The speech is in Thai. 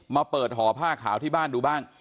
มาเปิดห่อผ้าขาวที่บ้านดูบ้าง